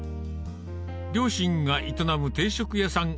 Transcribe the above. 両親が営む定食屋さん